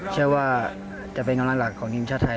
เชื่อว่าจะเป็นกำลังหลักของทีมชาติไทย